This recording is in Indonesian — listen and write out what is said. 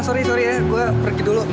sorry sorry ya gue pergi dulu